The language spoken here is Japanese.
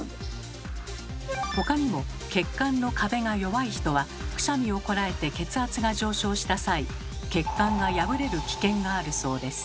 他にも血管の壁が弱い人はくしゃみをこらえて血圧が上昇した際血管が破れる危険があるそうです。